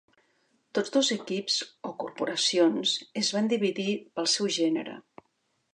Tots dos equips, o "corporacions", es van dividir pel seu gènere.